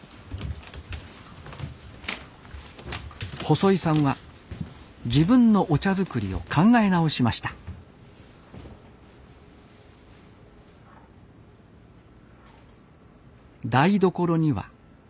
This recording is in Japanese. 細井さんは自分のお茶作りを考え直しました台所には茶葉専用の冷蔵庫